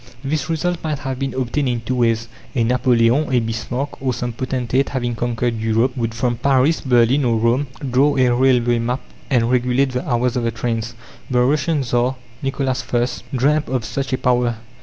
This result might have been obtained in two ways. A Napoleon, a Bismarck, or some potentate having conquered Europe, would from Paris, Berlin, or Rome, draw a railway map and regulate the hours of the trains. The Russian Tsar Nicholas I. dreamt of such a power.